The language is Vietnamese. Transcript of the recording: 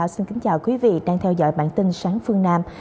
xin kính chào quý vị đang theo dõi bản tin sáng phương nam